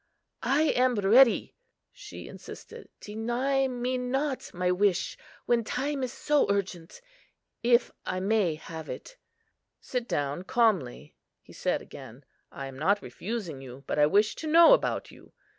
"I am ready," she insisted. "Deny me not my wish, when time is so urgent—if I may have it." "Sit down calmly," he said again; "I am not refusing you, but I wish to know about you."